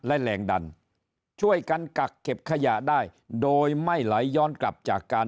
และแรงดันช่วยกันกักเก็บขยะได้โดยไม่ไหลย้อนกลับจากการ